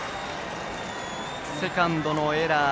セカンドのエラー。